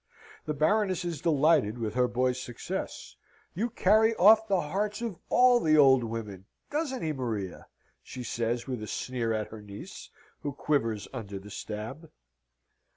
The Baroness is delighted with her boy's success. "You carry off the hearts of all the old women, doesn't he, Maria?" she says, with a sneer at her niece, who quivers under the stab.